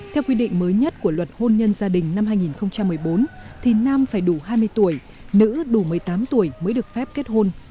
theo quy định mới nhất của luật hôn nhân gia đình năm hai nghìn một mươi bốn thì nam phải đủ hai mươi tuổi nữ đủ một mươi tám tuổi mới được phép kết hôn